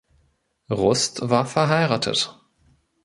Rust war verheiratet.